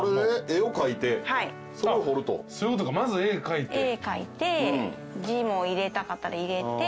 絵描いて字も入れたかったら入れて。